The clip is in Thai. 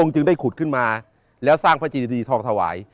ที่ขุดขึ้นมาแล้วสร้างพระจริดีทองถวาย